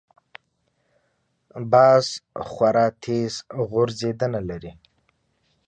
باز خورا تېز غورځېدنه لري